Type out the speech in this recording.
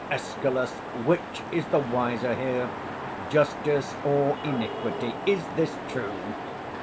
Escal. Which is the wiser here? Justice or Iniquity? Is this true?